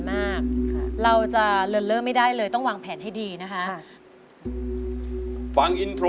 เป๊กรู้ว่าพี่กบต้องการ